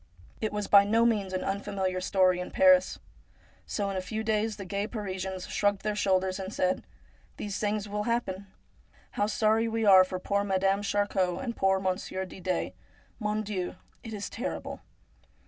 It was by no means an un familiar story in Paris. So in a few days the gay Parisians shrugged their shoulders and said :' These things will happen. How sorry we are for poor Madame Charcot and poor Mon sieur Didet ! Mon Dieu ! it is terrible